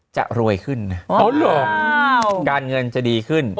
จะรวยขึ้นนะการเงินจะดีขึ้น